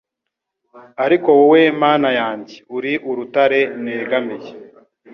ariko wowe Mana yanjye uri urutare negamiye